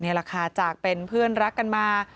นี่แหละค่ะจากเป็นเพื่อนรักกันมา